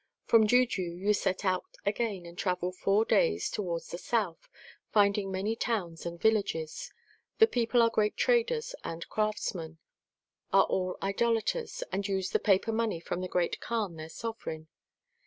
From Juju you set out again and travel four days towards the south, finding many towns and villages. The people are great traders and craftsmen, are all Idolaters, and use the paper money of the Great Kaan their Sovereign.